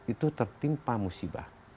itu tertimpa musibah